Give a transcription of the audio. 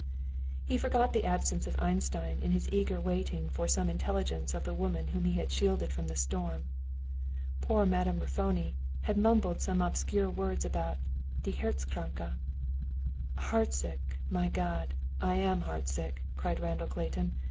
He forgot the absence of Einstein in his eager waiting for some intelligence of the woman whom he had shielded from the storm. Poor Madame Raffoni had mumbled some obscure words about "die herz kranke." "Heartsick, my God! I am heartsick," cried Randall Clayton.